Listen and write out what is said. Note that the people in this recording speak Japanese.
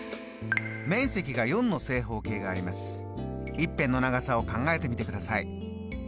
１辺の長さを考えてみてください。